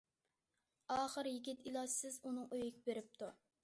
ئاخىر يىگىت ئىلاجسىز ئۇنىڭ ئۆيىگە بېرىپتۇ.